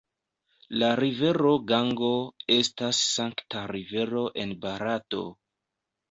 La rivero Gango estas sankta rivero en Barato.